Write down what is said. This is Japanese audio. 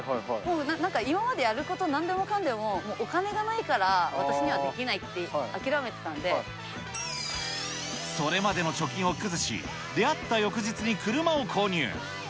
なんか今までやることなんでもかんでもお金がないから、それまでの貯金を崩し、出会った翌日に車を購入。